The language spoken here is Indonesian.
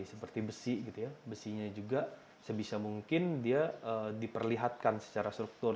seperti besi gitu ya besinya juga sebisa mungkin dia diperlihatkan secara struktur